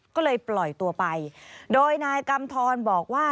ก็เลยปล่อยตัวไปโดยนายกำทรบอกว่า